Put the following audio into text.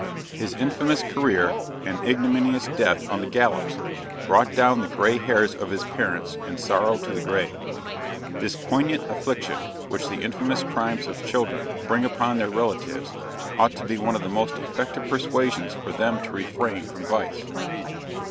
His infamous career and ignominious death on the gallows; brought down the "grey hairs of his parents in sorrow to the grave." The poignant affliction which the infamous crimes of children bring upon their relatives ought to be one of the most effective persuasions for them to refrain from vice.